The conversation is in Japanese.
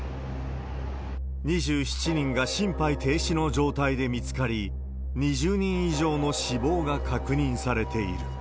２７人が心肺停止の状態で見つかり、２０人以上の死亡が確認されている。